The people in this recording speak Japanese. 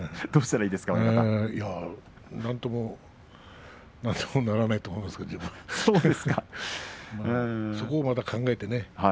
なんともなんともならないと思いますけどそこをまた考えてね。